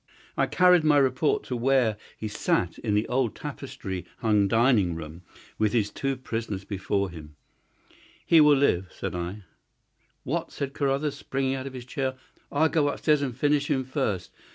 I carried my report to where he sat in the old tapestry hung dining room with his two prisoners before him. "He will live," said I. "What!" cried Carruthers, springing out of his chair. "I'll go upstairs and finish him first.